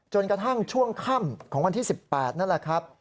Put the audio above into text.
กระทั่งช่วงค่ำของวันที่๑๘นั่นแหละครับ